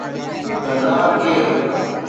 ”غدار ڪير؟